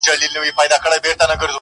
• کډي باریږي مېني سوې توري -